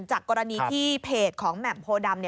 จากกรณีที่เพจของแหม่มโพดำ